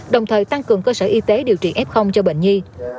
đồng thời tăng cường cơ sở y tế điều trị f cho bệnh nhi